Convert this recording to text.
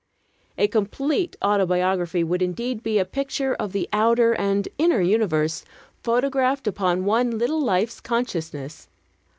A complete autobiography would indeed be a picture of the outer and inner universe photographed upon one little life's consciousness.